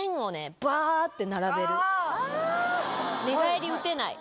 寝返りうてない。